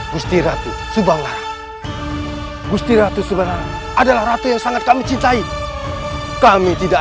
gusti ratu subang lara gusti ratu subang lara adalah ratu yang sangat kami cintai kami tidak